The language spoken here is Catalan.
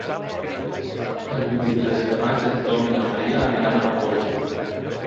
El vint-i-tres de maig en Tom i na Maria aniran a Alforja.